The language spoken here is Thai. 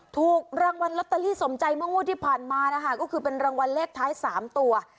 ถูกรางวัลลอตเตอรี่สมใจเมื่องวดที่ผ่านมานะคะก็คือเป็นรางวัลเลขท้าย๓ตัว